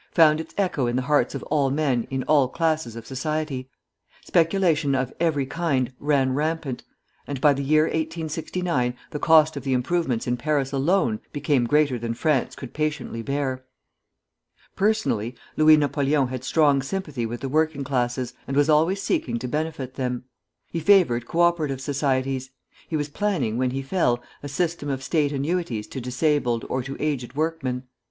found its echo in the hearts of all men in all classes of society. Speculation of every kind ran rampant, and by the year 1869 the cost of the improvements in Paris alone became greater than France could patiently bear. Personally, Louis Napoleon had strong sympathy with the working classes, and was always seeking to benefit them. He favored co operative societies; he was planning, when he fell, a system of state annuities to disabled or to aged workmen.